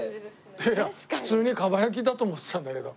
いやいや普通に蒲焼きだと思ってたんだけど。